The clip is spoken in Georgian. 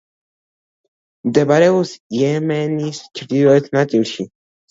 მდებარეობს იემენის ჩრდილოეთ ნაწილში.